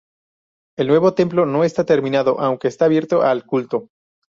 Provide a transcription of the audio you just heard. El nuevo templo no está terminado, aunque está abierto al culto.